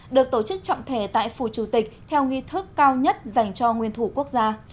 được tổ chức trọng thể tại phủ chủ tịch theo nghi thức cao nhất dành cho nguyên thủ quốc gia